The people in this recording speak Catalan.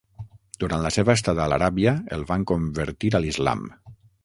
Durant la seva estada a l'Aràbia el van convertir a l'islam.